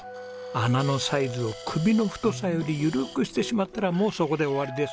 穴のサイズを首の太さより緩くしてしまったらもうそこで終わりです。